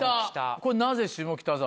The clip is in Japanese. これなぜ下北沢？